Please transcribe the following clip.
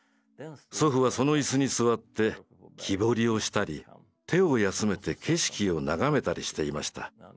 祖父はその椅子に座って木彫りをしたり手を休めて景色を眺めたりしていました。